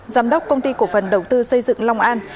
giám đốc công ty cổ phần đầu tư xây dựng long an